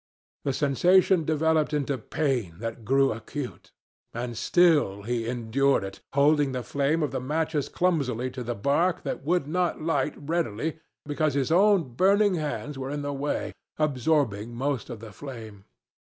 The sensation developed into pain that grew acute. And still he endured it, holding the flame of the matches clumsily to the bark that would not light readily because his own burning hands were in the way, absorbing most of the flame.